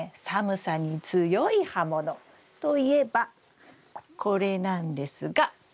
寒さに強い葉物といえばこれなんですが。